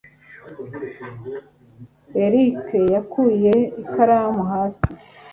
eric yakuye ikaramu hasi.